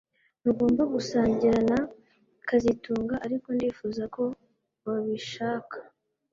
Ntugomba gusangira na kazitunga ariko ndifuza ko wabishaka